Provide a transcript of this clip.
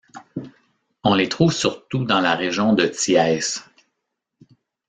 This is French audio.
On les trouve surtout dans la région de Thiès.